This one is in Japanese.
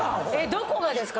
どこがですか？